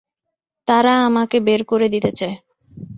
তারা আমাকে বের করে দিতে চায়।